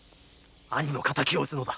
兄の敵を討つのだ。